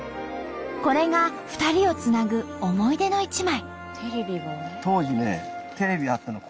これが２人をつなぐ思い出の一枚。